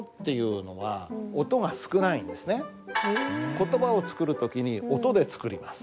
言葉を作る時に音で作ります。